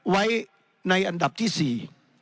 ไว้ในอันดับที่สี่